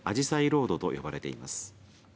ロードと呼ばれています。